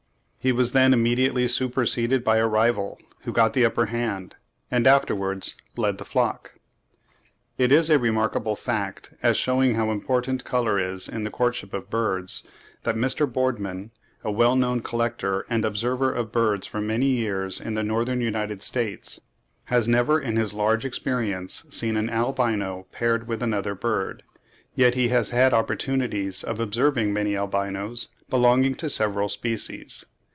He was then immediately superseded by a rival, who got the upper hand and afterwards led the flock. It is a remarkable fact, as shewing how important colour is in the courtship of birds, that Mr. Boardman, a well known collector and observer of birds for many years in the Northern United States, has never in his large experience seen an albino paired with another bird; yet he has had opportunities of observing many albinos belonging to several species.